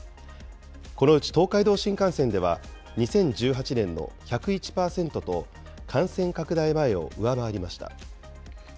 このうち東海道新幹線では、２０１８年の１０１％と、感染拡大前を上回りました。